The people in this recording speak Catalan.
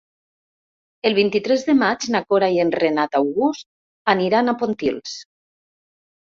El vint-i-tres de maig na Cora i en Renat August aniran a Pontils.